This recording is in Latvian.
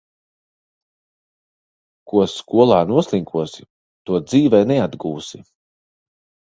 Ko skolā noslinkosi, to dzīvē neatgūsi.